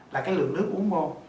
là cái lượng nước uống vô